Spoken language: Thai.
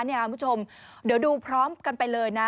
คุณผู้ชมเดี๋ยวดูพร้อมกันไปเลยนะ